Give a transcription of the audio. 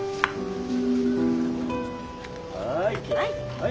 はい。